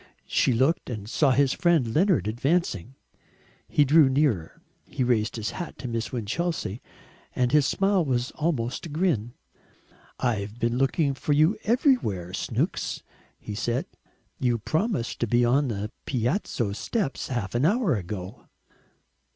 She looked and saw his friend Leonard advancing. He drew nearer; he raised his hat to Miss Winchelsea, and his smile was almost a grin. "I've been looking for you everywhere, Snooks," he said. "You promised to be on the Piazza steps half an hour ago."